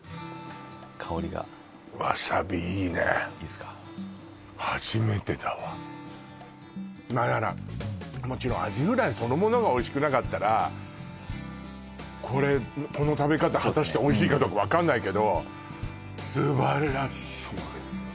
香りがわさびいいねいいすか初めてだわまあだからもちろんアジフライそのものがおいしくなかったらこの食べ方果たしておいしいかどうか分かんないけどそうなんですよ